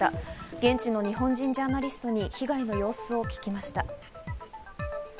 現地の日本人ジャーナリストに被害の様子を聞きました。